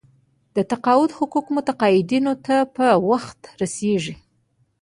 د تقاعد حقوق متقاعدینو ته په وخت رسیږي.